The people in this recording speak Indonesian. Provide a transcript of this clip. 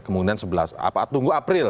kemudian sebelas apa tunggu april